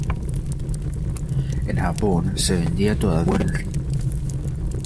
En Japón, se vendía todavía a buen ritmo.